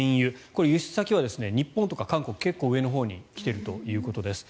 これ輸出先は日本とか韓国結構上のほうに来ているということです。